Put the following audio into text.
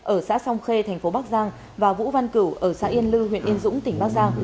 ở xã song khê thành phố bắc giang và vũ văn cửu ở xã yên lư huyện yên dũng tỉnh bắc giang